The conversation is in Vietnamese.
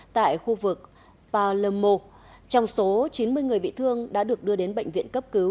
tại khu vực palumo trong số chín mươi người bị thương đã được đưa đến bệnh viện cấp cứu